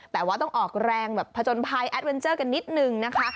แต่ว่าต้องออกแรงแบบผจญภัยแอดเวนเจอร์กันนิดนึงนะคะ